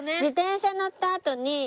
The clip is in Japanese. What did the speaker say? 自転車乗ったあとに。